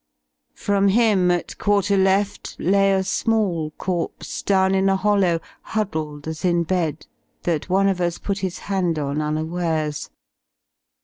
From him, at quarter left, lay a small corpse, Down in a hollow, huddled as in bed. That one of u^ put his hand on unawares.